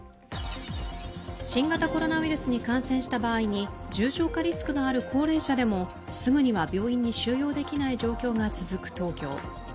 新型コロナウイルスに感染した場合に重症化リスクのある高齢者でもすぐには病院に収容できない状況が続く東京。